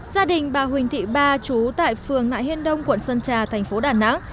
gia đình bà huỳnh thị ba chú tại phường nại hiên đông quận sơn trà thành phố đà nẵng